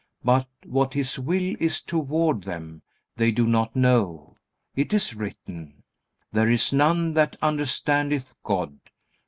But what His will is toward them, they do not know. It is written: "There is none that understandeth God."